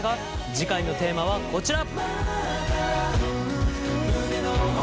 次回のテーマはこちら。